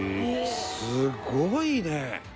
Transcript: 「すごいね！」